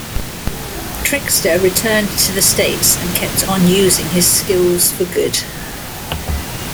Trickster returned to the States and kept on using his skills for good.